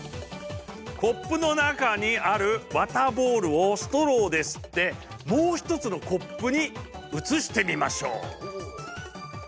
コップの中にある綿ボールをストローで吸ってもう一つのコップに移してみましょう。